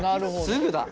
すぐだ！